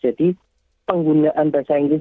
jadi penggunaan bahasa inggris